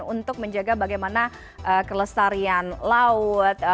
untuk menjaga bagaimana kelestarian laut